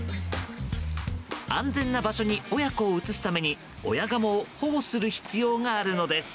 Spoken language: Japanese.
安全な場所に親子を移すために親ガモを保護する必要があるのです。